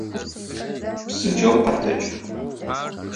Псынкӏэу къэтэдж!